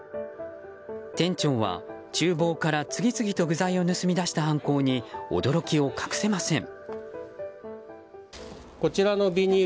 店長は厨房から次々と具材を盗み出した犯行に驚きを隠せません。